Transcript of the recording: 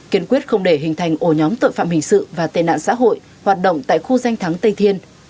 kiên quyết không để hình thành ổ nhóm tội phạm hình sự và tên nạn xã hội hoạt động tại khu danh thắng tây thiên